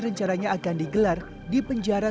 rencananya akan digelar di penjara